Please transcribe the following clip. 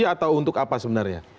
atau untuk apa sebenarnya